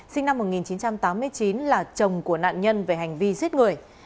sinh năm một nghìn chín trăm tám mươi chín là chồng của nạn nhân về hành vi giết người